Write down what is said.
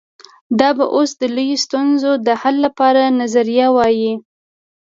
دا به اوس د لویو ستونزو د حل لپاره نظریه وای.